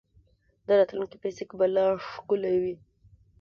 د راتلونکي فزیک به لا ښکلی وي.